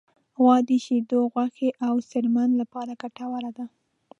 غوا د شیدو، غوښې، او څرمن لپاره ګټوره ده.